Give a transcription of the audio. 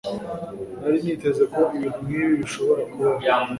Nari niteze ko ibintu nkibi bishobora kubaho.